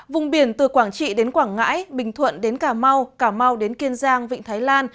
vùng biển từ quảng trị đến quảng ngãi bình thuận đến cà mau cà mau đến kiên giang vịnh thái lan